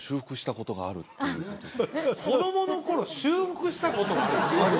あっ子供の頃修復したことがある？